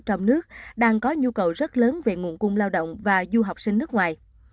trong nước đang có nhu cầu rất lớn về nguồn cung lao động và du học sinh nước ngoài